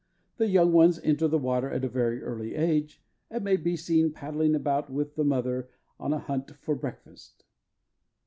The young ones enter the water at a very early age, and may be seen paddling about with the mother on a hunt for breakfast.